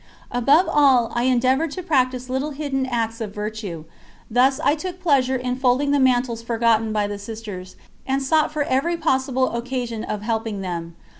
Above all I endeavoured to practise little hidden acts of virtue; thus I took pleasure in folding the mantles forgotten by the Sisters, and I sought for every possible occasion of helping them.